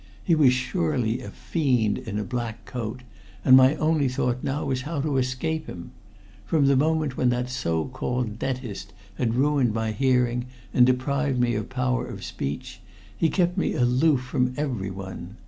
He was surely a fiend in a black coat, and my only thought now was how to escape him. From the moment when that so called dentist had ruined my hearing and deprived me of power of speech, he kept me aloof from everyone.